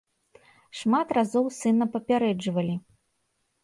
Шмат разоў сына папярэджвалі.